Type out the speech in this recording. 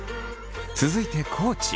続いて地。